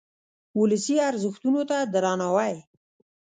ولسي ارزښتونو ته درناوی.